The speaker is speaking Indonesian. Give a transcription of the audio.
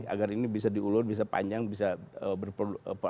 agar ini bisa diulur bisa panjang bisa berproduksi